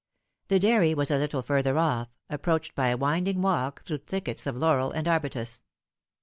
The dairy was a little further off, approached by a winding walk through thickets of laurel and arbutus.